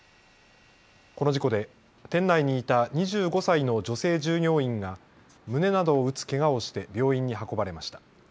この事故で店内にいた２５歳の女性従業員が胸などを打つけがをして病院に運ばれました。